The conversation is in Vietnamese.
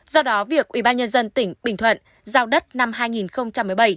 do đó việc ubnd tỉnh bình thuận giao đất năm hai nghìn một mươi bảy